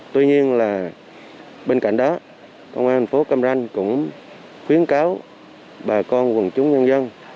tuy nhiên là bên cạnh đó công an thành phố cam ranh cũng khuyến cáo bà con quần chúng nhân dân